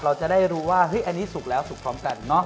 เราจะได้รู้ว่าอันนี้สุกแล้วสุกพร้อมกันเนอะ